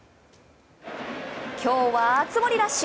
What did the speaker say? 今日は熱盛ラッシュ。